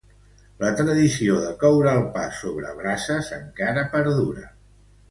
La tradició de coure el pa sobre brases encara perdura.